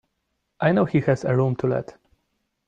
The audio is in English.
I know he has a room to let.